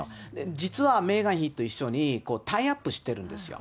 実はメーガン妃と一緒に、タイアップしてるんですよ。